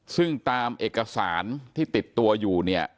ซึ่งตามเอกสารที่ติดตัวอยู่เนี่ย